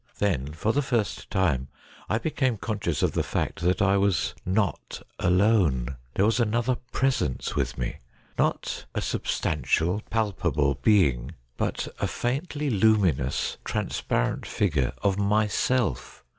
Then, for the first time, I became consci ous of the fact that I was not alone. There was another presence with me. Not a substantial, palpable being, but a THE CHINA DOG 129 faintly luminous, transparent figure of myself.